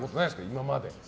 今まで。